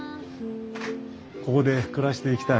ここで暮らしていきたい